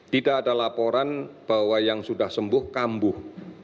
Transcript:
tidak ada laporan bahwa yang sudah sembuh kambuh